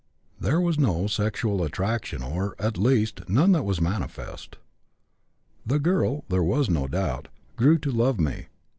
There was no sexual attraction or, at least, none that was manifest. The girl, there is no doubt, grew to love me.